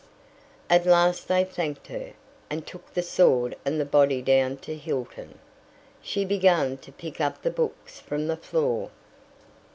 At last they thanked her, and took the sword and the body down to Hilton. She began to pick up the books from the floor.